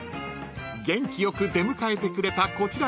［元気よく出迎えてくれた］